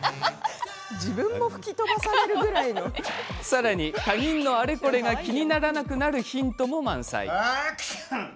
さらに、他人のあれこれが気にならなくなるヒントも満載。